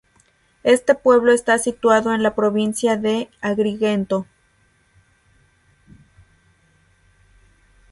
Este pueblo está situado en la provincia de Agrigento.